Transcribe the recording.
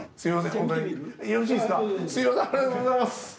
よろしいですか？